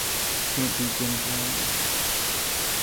If you can't beat them, join them!